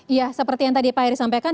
iya seperti yang tadi pak heri sampaikan